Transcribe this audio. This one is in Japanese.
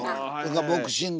ボクシングとか。